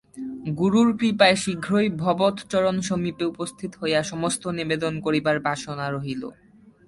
গুরুর কৃপায় শীঘ্রই ভবৎ-চরণসমীপে উপস্থিত হইয়া সমস্ত নিবেদন করিবার বাসনা রহিল।